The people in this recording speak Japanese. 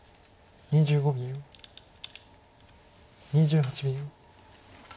２８秒。